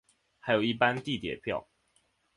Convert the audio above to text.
还有一般地铁票